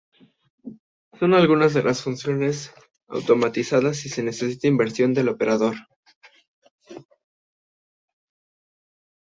Sólo algunas de las funciones son automatizadas y se necesita intervención del operador.